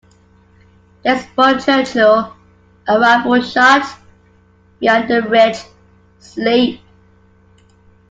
There's Fort Churchill, a rifle-shot beyond the ridge, asleep.